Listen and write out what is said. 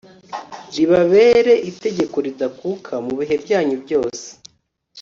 ribabere itegeko ridakuka mu bihe byanyu byose